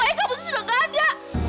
ayah kamu itu sudah gak ada